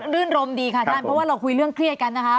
รื่นรมดีค่ะท่านเพราะว่าเราคุยเรื่องเครียดกันนะคะ